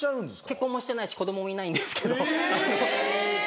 結婚もしてないし子供もいないんですけど。